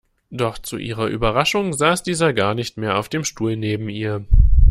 Doch zu ihrer Überraschung saß dieser gar nicht mehr auf dem Stuhl neben ihr.